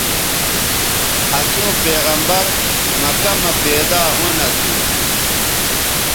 اَسوں پیغمبرؐ مکہ مہ پیدا ھُون اَسو